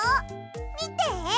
みて！